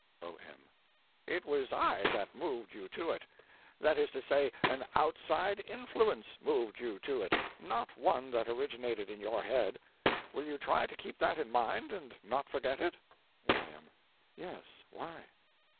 O.M. It was I that moved you to it. That is to say an outside influence moved you to it—not one that originated in your head. Will you try to keep that in mind and not forget it? Y.M. Yes. Why?